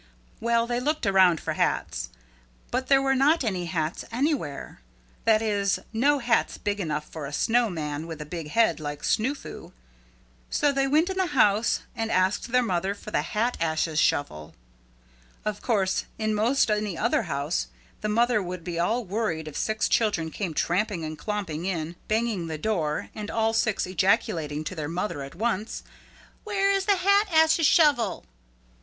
Well, they looked around for hats. But there were not any hats anywhere, that is, no hats big enough for a snow man with a big head like Snoo Foo. So they went in the house and asked their mother for the hat ashes shovel. Of course, in most any other house, the mother would be all worried if six children came tramping and clomping in, banging the door and all six ejaculating to their mother at once, "Where is the hat ashes shovel?"